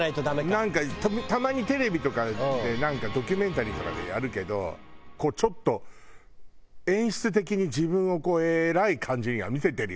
なんかたまにテレビとかでドキュメンタリーとかでやるけどこうちょっと演出的に自分を偉い感じには見せてるよね。